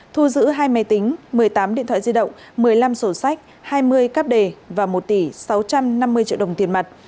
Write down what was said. thu giữ hai máy tính một mươi tám điện thoại di động một mươi năm sổ sách hai mươi cáp đề và một tỷ sáu trăm năm mươi triệu đồng tiền mặt